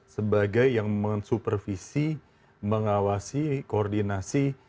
sebagai yang mensupervisi mengawasi koordinasi